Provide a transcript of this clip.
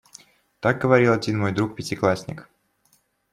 Так говорил один мой друг-пятиклассник.